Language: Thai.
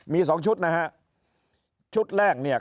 มี๒ชุดนะครับ